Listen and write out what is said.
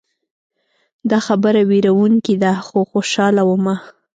دا خبره ویروونکې ده خو خوشحاله ومه.